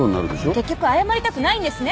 結局謝りたくないんですね？